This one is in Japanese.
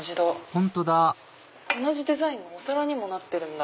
本当だ同じデザインがお皿にもなってるんだ。